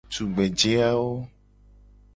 Tugbeje awo.